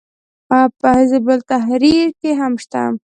په حزب التحریر کې هم شته.